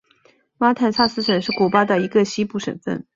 马坦萨斯省是古巴的一个西部省份。